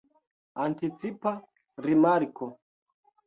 Anticipa rimarko.